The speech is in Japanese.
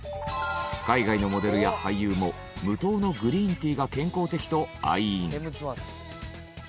海外のモデルや俳優も無糖のグリーンティーが健康的と愛飲。